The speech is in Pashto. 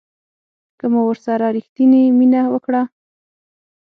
که مو ورسره ریښتینې مینه وکړه